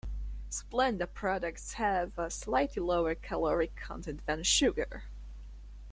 Splenda products have a slightly lower caloric content than sugar.